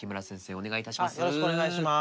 お願いいたします。